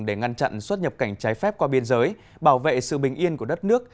để ngăn chặn xuất nhập cảnh trái phép qua biên giới bảo vệ sự bình yên của đất nước